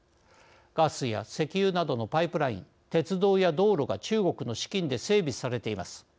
ガスや石油などのパイプライン鉄道や道路が中国の資金で整備されています。